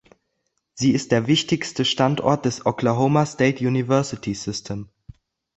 Sie ist der wichtigste Standort des Oklahoma State University System.